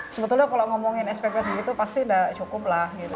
sebetulnya kalau ngomongin spp segitu pasti tidak cukup lah gitu